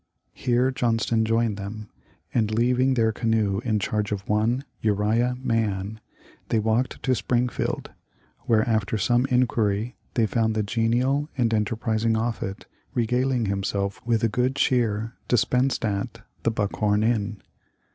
Here Johnston joined them, and, leaving their canoe in charge of one Uriah Mann, they walked to Springfield, where after some inquiry they found the genial and enterprising Offut regal ing himself with the good cheer dispensed at " The Buckhorn " inn.